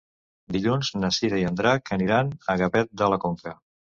Dilluns na Cira i en Drac aniran a Gavet de la Conca.